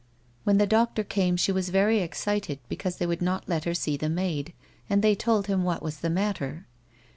" AVhen the doctor came she was very excited because they would not let her see the maid, and they told him what was the matter.